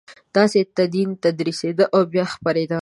داسې تدین تدریسېده او بیا خپرېده.